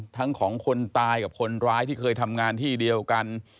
ทั้งของคนตายกับคนร้ายที่เคยทำงานที่เดียวกัน